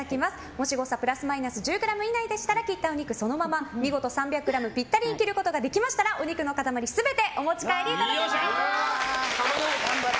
もし誤差プラスマイナス１０ｇ以内でしたら切ったお肉をそのまま見事３００ｇぴったりに切ることができましたらお肉の塊全てお持ち帰りいただけます。